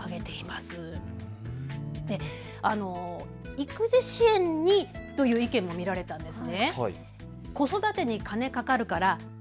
育児支援にという意見も見られたんです。